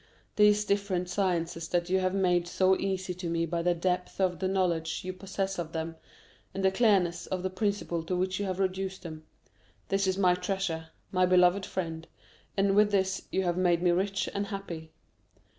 These different sciences that you have made so easy to me by the depth of the knowledge you possess of them, and the clearness of the principles to which you have reduced them—this is my treasure, my beloved friend, and with this you have made me rich and happy.